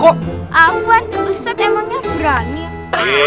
ustadz emangnya berani